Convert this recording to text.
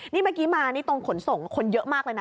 นี่เมื่อกี้มานี่ตรงขนส่งคนเยอะมากเลยนะ